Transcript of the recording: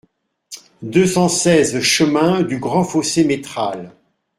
deux cent seize chemin du Gd Fossé Métral